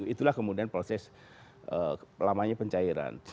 itulah kemudian proses lamanya pencairan